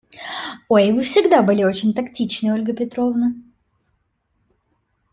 Ой, Вы всегда были очень тактичны, Ольга Петровна.